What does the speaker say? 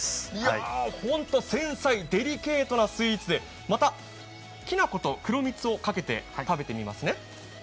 繊細、デリケートなスイーツできな粉と黒蜜をかけて食べてみますね。